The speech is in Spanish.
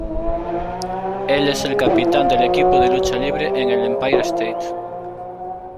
Él es el capitán del equipo de lucha libre en el Empire State.